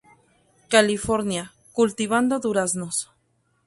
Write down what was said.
California, cultivando duraznos.